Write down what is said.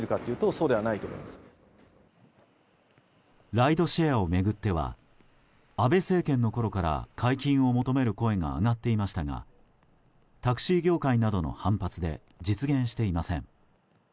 ライドシェアを巡っては安倍政権のころから解禁を求める声が上がっていましたがタクシー業界などの反発で実現していません。